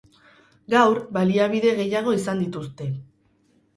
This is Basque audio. Gaur, baliabide gehiago izango dituzte.